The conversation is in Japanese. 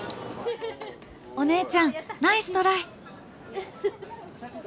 お姉ちゃんナイストライ！